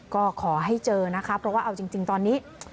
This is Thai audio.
ก็ขอให้เจอนะคะเพราะว่าเอาจริงตอนนี้